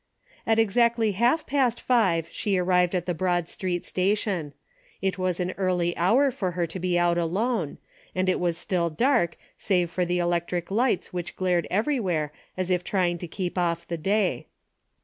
At exactly half past five she arrived at the Broad Street station. It was an early hour for her to be out alone, and it was still dark save for the electric lights which glared every where as if trying to keep off the day.